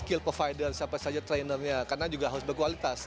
skill provider siapa saja trainernya karena juga harus berkualitas